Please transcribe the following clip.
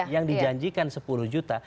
yang dijanjikan sepuluh juta